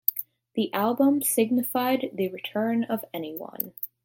The album signified the return of Anyone.